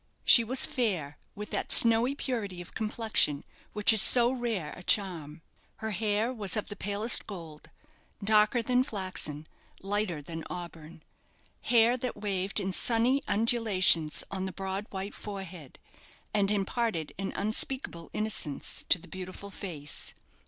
She was fair, with that snowy purity of complexion which is so rare a charm. Her hair was of the palest gold darker than flaxen, lighter than auburn hair that waved in sunny undulations on the broad white forehead, and imparted an unspeakable innocence to the beautiful face.